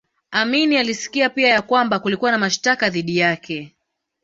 Amin alisikia pia ya kwamba kulikuwa na mashtaka dhidi yake